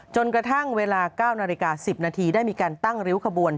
จนกระทั่งเวลา๙นาฬิกา๑๐นาทีได้มีการตั้งริ้วขบวน